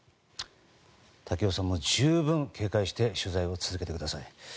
瀧尾さんも十分警戒して取材を続けてください。